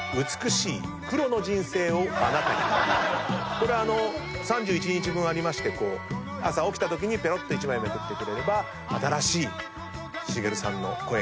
これ３１日分ありまして朝起きたときにぺろっと１枚めくってくれれば新しいしげるさんの声が聞こえると。